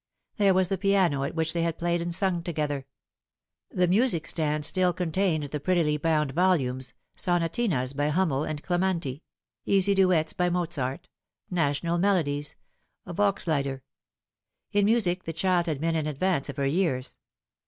There was the piano at which they had played and sung together. The music stand still contained the prettily bound volumes sonatinas by Hummel and dementi easy duets by Mozart, national melodies, Volks Lieder. In music the child had been in advance of her years.